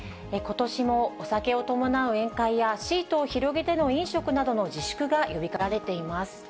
ことしもお酒を伴う宴会や、シートを広げての飲食などの自粛が呼びかけられています。